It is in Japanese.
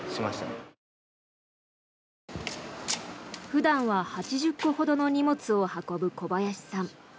普段は８０個ほどの荷物を運ぶ小林さん。